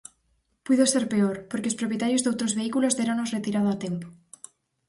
Puido ser peor, porque os propietarios doutros vehículos déronos retirado a tempo.